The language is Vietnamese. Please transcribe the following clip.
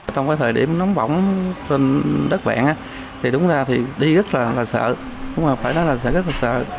trong cái thời điểm nóng bỏng trên đất vẹn thì đúng ra thì đi rất là sợ cũng phải nói là sợ rất là sợ